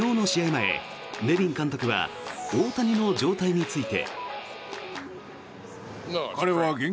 前、ネビン監督は大谷の状態について。